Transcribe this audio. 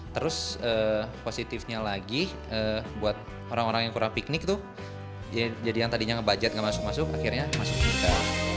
terus positifnya lagi buat orang orang yang kurang piknik tuh jadi yang tadinya ngebudget gak masuk masuk akhirnya masuk kita